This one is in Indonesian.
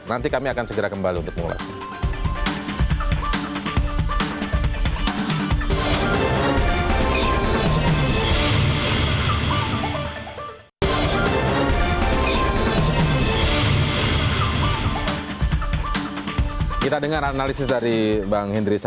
nanti kami akan segera kembali untuk mengulas